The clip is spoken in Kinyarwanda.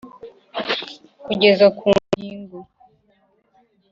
kugeza ku ngingo